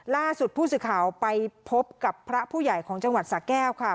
ล่าสุดผู้สื่อข่าวไปพบกับพระผู้ใหญ่ของจังหวัดสะแก้วค่ะ